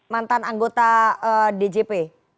mantan anggota djp